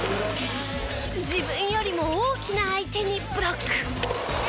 自分よりも大きな相手にブロック。